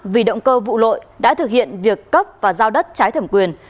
vì động cơ vụ lội đã thực hiện việc cấp và giao đất trái thẩm quyền